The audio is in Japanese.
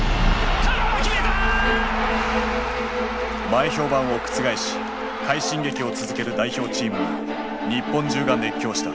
前評判を覆し快進撃を続ける代表チームに日本中が熱狂した。